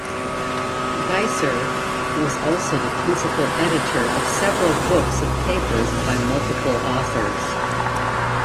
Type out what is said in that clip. Geisser was also the principal editor of several books of papers by multiple authors.